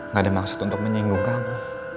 gak ada maksud untuk menyinggung kamu